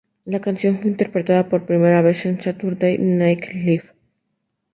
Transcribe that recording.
La canción fue interpretada por primera vez en "Saturday Night Live".